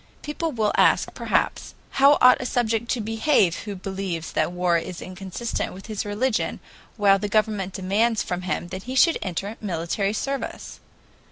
People will ask, perhaps: How ought a subject to behave who believes that war is inconsistent with his religion while the government demands from him that he should enter military service?